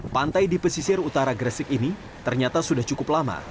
pantai di pesisir utara gresik ini ternyata sudah cukup lama